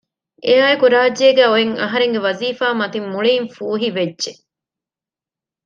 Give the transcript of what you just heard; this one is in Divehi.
އެއާއެކު ރާއްޖޭގައި އޮތް އަހަރެންގެ ވަޒީފާ މަތިން މުޅީން ފޫހިވެއްޖެ